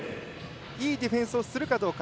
いいディフェンスをするかどうか。